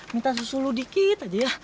minta susu lu dikit aja ya